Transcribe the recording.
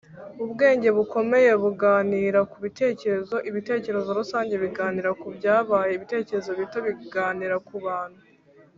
"ubwenge bukomeye buganira ku bitekerezo; ibitekerezo rusange biganira ku byabaye; ibitekerezo bito biganira ku bantu."